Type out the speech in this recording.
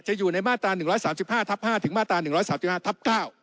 ถึงมาตรา๑๓๕ทับ๙